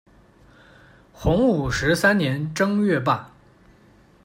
洪武十三年正月罢。